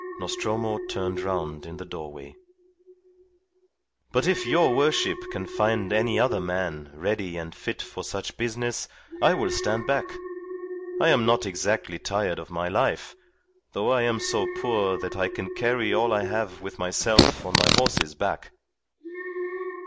Nostromo turned round in the doorway. "But if your worship can find any other man ready and fit for such business I will stand back. I am not exactly tired of my life, though I am so poor that I can carry all I have with myself on my horse's back."